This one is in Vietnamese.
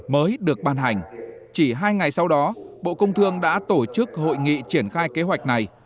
mới được ban hành chỉ hai ngày sau đó bộ công thương đã tổ chức hội nghị triển khai kế hoạch này